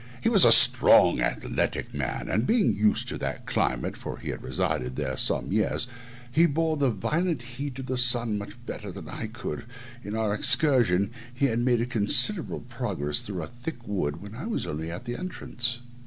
He was a strong, athletic man, and being used to that climate (for he had resided there some years), he bore the violent heat of the sun much better than I could; in our excursion he had made a considerable progress through a thick wood when I was only at the entrance.